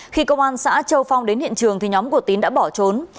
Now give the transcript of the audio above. khi công an xã châu phong đến hiện trường nhóm của tín đã bỏ trốn